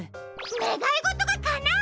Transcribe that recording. ねがいごとがかなう！？